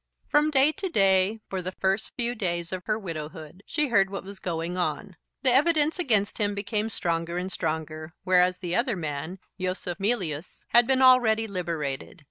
From day to day, for the first few days of her widowhood, she heard what was going on. The evidence against him became stronger and stronger, whereas the other man, Yosef Mealyus, had been already liberated.